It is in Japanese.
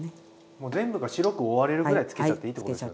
もう全部が白く覆われるぐらいつけちゃっていいってことですよね。